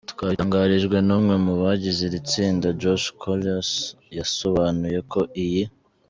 twabitangarijwe n'umwe mu bagize iri tsinda Joss Coolious yasobanuye ko iyi.